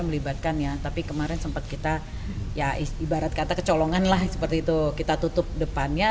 melibatkan ya tapi kemarin sempat kita ya ibarat kata kecolongan lah seperti itu kita tutup depannya